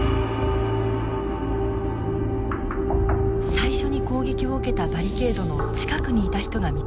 最初に攻撃を受けたバリケードの近くにいた人が見つかりました。